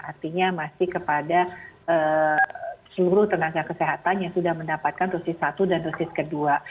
artinya masih kepada seluruh tenaga kesehatan yang sudah mendapatkan dosis satu dan dosis kedua